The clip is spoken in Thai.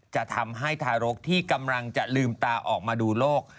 จะทำให้ทารกที่กำลังจะลืมตาออกมาดูโลก